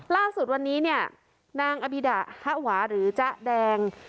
ล่าสุดวันนี้เนี่ยนางอบิดะฮะหวาหรือจ๊ะแดง